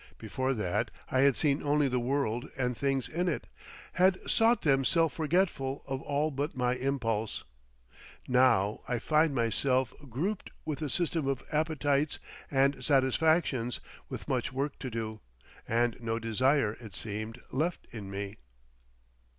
Before that I had seen only the world and things in it, had sought them self forgetful of all but my impulse. Now I found myself grouped with a system of appetites and satisfactions, with much work to do—and no desire, it seemed, left in me.